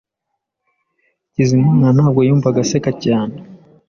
Hakizimana ntabwo yumvaga aseka cyane.